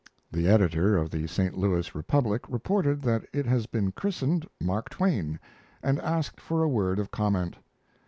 The editor of the St. Louis Republic reported that it has been christened "Mark Twain," and asked for a word of comment.